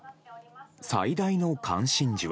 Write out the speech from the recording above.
最大の関心事は。